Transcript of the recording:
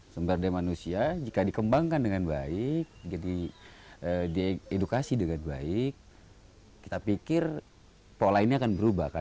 sumber daya manusia jika dikembangkan dengan baik diedukasi dengan baik kita pikir pola ini akan berubah